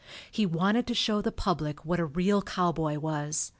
He wanted to show the public what a real cowboy was.